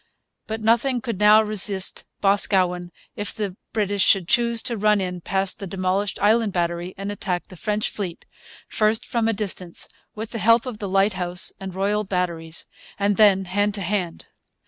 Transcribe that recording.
But nothing could now resist Boscawen if the British should choose to run in past the demolished Island Battery and attack the French fleet, first from a distance, with the help of the Lighthouse and Royal Batteries, and then hand to hand.